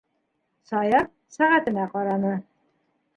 - Саяр сәғәтенә ҡараны.